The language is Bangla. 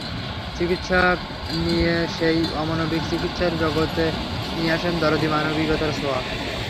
চিকিৎসক নিসে সেই অমানবিক চিকিৎসার জগতে নিয়ে আসেন দরদি মানবিকতার ছোঁয়া।